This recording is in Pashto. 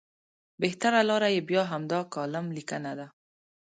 بهتره لاره یې بیا همدا کالم لیکنه ده.